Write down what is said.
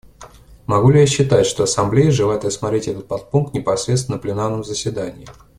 Могу ли я считать, что Ассамблея желает рассмотреть этот подпункт непосредственно на пленарном заседании?